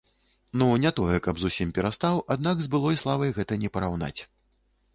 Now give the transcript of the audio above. Ну, не тое каб зусім перастаў, аднак з былой славай гэта не параўнаць.